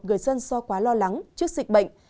người dân so quá lo lắng trước dịch bệnh